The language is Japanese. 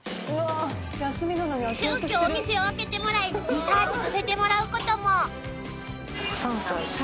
［急きょお店を開けてもらいリサーチさせてもらうことも］